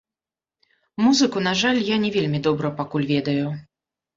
Музыку, на жаль, я не вельмі добра пакуль ведаю.